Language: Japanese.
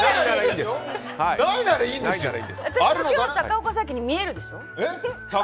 私が高岡早紀に見えるでしょ。